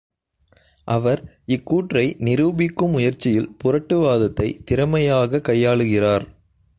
அவர் இக்கூற்றை நிரூபிக்கும் முயற்சியில் புரட்டுவாதத்தைத் திறமையாக் கையாளுகிறார்.